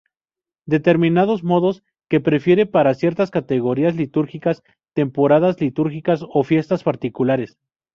Determinados modos se prefieren para ciertas categorías litúrgicas, temporadas litúrgicas o fiestas particulares.